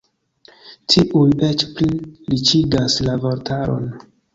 Tiuj eĉ pli riĉigas la vortaron.